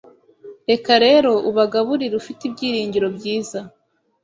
Reka rero ubagaburire ufite ibyiringiro byiza